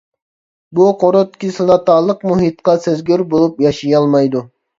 بۇ قۇرت كىسلاتالىق مۇھىتقا سەزگۈر بولۇپ ياشىيالمايدۇ.